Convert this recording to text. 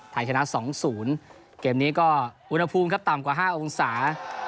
ไทยชนะ๒๐เกมนี้ก็อุณหภูมิครับต่ำกว่า๕องศา